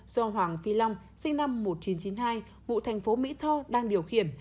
do hoàng phi long sinh năm một nghìn chín trăm chín mươi hai ngụ thành phố mỹ tho đang điều khiển